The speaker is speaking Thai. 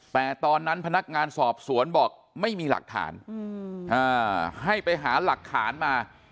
แต่ตอนนั้นพนักงานสอบสวนบอกไม่มีหลักฐานให้ไปหาหลักฐานมา